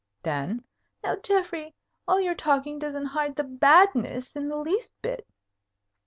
"Then " "Now, Geoffrey, all your talking doesn't hide the badness in the least bit."